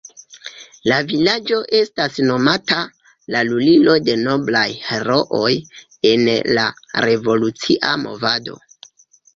La vilaĝo estas nomata la lulilo de noblaj herooj en la revolucia movado.